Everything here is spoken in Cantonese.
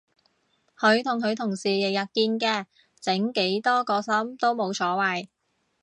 佢同佢同事日日見嘅整幾多個心都冇所謂